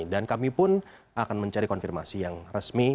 kami pun akan mencari konfirmasi yang resmi